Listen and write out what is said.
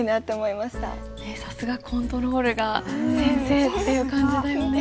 さすがコントロールが先生っていう感じだよね。